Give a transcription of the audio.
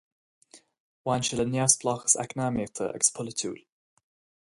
Bhain sé le neamhspleáchas eacnamaíochta agus polaitiúil.